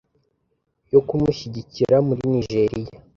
yo kumushyigikira muri Nigeria,